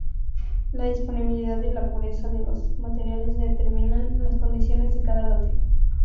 La disponibilidad y la pureza de los materiales determinan las condiciones de cada lote.